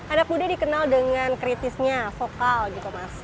anak muda dikenal dengan kritisnya vokal gitu mas